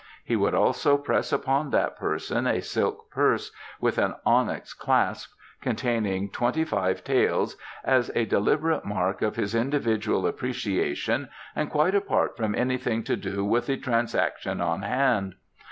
He would also press upon that person a silk purse with an onyx clasp, containing twenty five taels, as a deliberate mark of his individual appreciation and quite apart from anything to do with the transaction on hand.